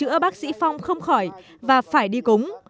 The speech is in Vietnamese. chữa bác sĩ phong không khỏi và phải đi cúng